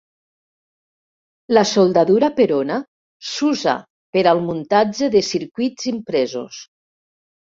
La soldadura per ona s'usa per al muntatge de circuits impresos.